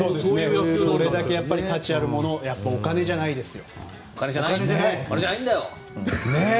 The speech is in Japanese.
それだけ価値あるお金じゃないんですよ。